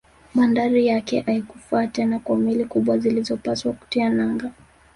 Bandari yake haikufaa tena kwa meli kubwa zilizopaswa kutia nanga